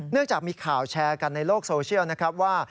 จากมีข่าวแชร์กันในโลกโซเชียลนะครับว่า